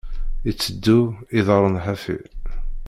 Iteddu, iḍarren ḥafi.